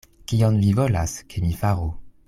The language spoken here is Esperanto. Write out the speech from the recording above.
Kion vi volas, ke mi faru?